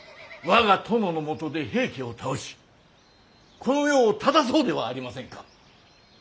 我が殿のもとで平家を倒しこの世を正そうではありませんか。